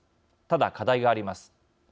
ただ、課題があります。